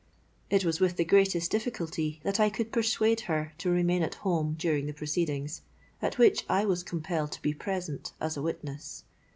It was with the greatest difficulty that I could persuade her to remain at home during the proceedings, at which I was compelled to be present as a witness.